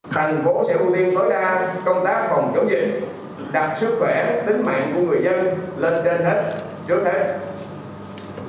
thành phố sẽ ưu tiên tối đa công tác phòng chống dịch đặt sức khỏe tính mạnh của người dân lên trên hết chốt hết